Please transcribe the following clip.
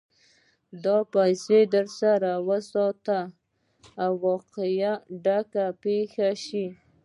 دا پيسې در سره وساته؛ واقعه او ډکه به پېښه شي.